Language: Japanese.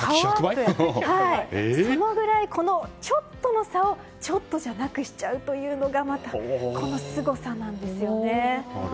そのぐらい、ちょっとの差をちょっとじゃなくしちゃうというのがまた、このすごさなんですよね。